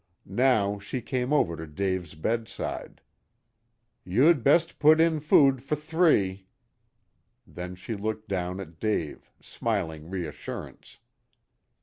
Now she came over to Dave's bedside. "You'd best put in food for three." Then she looked down at Dave, smiling reassurance.